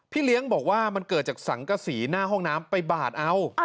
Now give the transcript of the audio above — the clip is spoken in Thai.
เลี้ยงบอกว่ามันเกิดจากสังกษีหน้าห้องน้ำไปบาดเอา